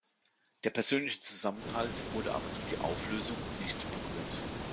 Der persönliche Zusammenhalt wurde aber durch die Auflösung nicht berührt.